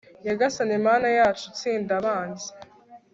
nyagasani mana yacu, tsinda abanzi